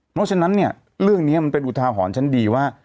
เพราะฉะนั้นเนี่ยเรื่องนี้มันเป็นอุทาหรณ์ชั้นดีว่า